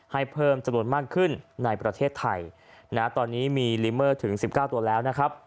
ให้เพิ่มจำนวนมากขึ้นในประเทศไทยนะตอนนี้มีลิเมอร์ถึง๑๙ตัวแล้วนะครับ